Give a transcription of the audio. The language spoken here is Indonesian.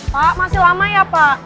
pak masih lama ya pak